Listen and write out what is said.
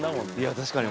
確かに。